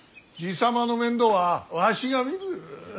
爺様の面倒はわしが見る。